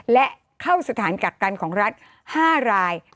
และเข้าสถานกักกันของรัฐ๕ราย